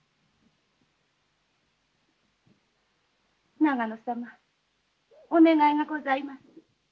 長野様お願いがございます。